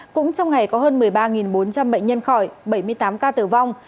cũng trong ngày có hơn một mươi ba bốn trăm linh bệnh nhân khỏi bảy mươi tám ca tử vong